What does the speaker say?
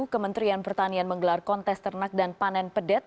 kementerian pertanian menggelar kontes ternak dan panen pedet